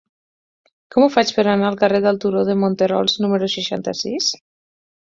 Com ho faig per anar al carrer del Turó de Monterols número seixanta-sis?